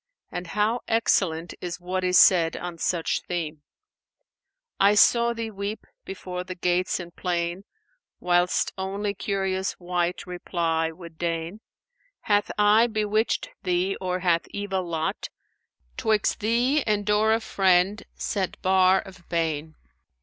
And how excellent is what is said on such theme, "I saw thee weep before the gates and 'plain, * Whilst only curious wight reply would deign: Hath eye bewitcht thee, or hath evil lot * 'Twixt thee and door of friend set bar of bane?